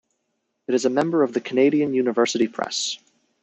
It is a member of the Canadian University Press.